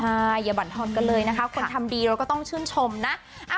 ใช่อย่าบรรทอนกันเลยนะคะคนทำดีเราก็ต้องชื่นชมนะ